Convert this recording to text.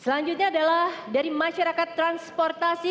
selanjutnya adalah dari masyarakat transportasi